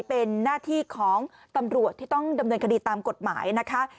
เป็นหน้าที่ของตำรวจที่ต้องดำเนินคดีตามกฎหมายนะคะ